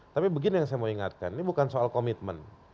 tapi begini yang saya mau ingatkan ini bukan soal komitmen